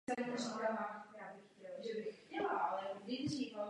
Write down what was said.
Monitorování je v tomto ohledu legitimním parlamentním nástrojem.